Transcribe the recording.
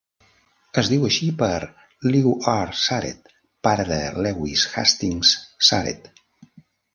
Es diu així per Lew R. Sarett, pare de Lewis Hastings Sarett.